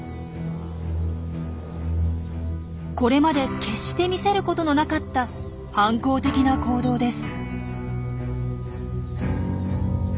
これまで決して見せることのなかった反抗的な行動です。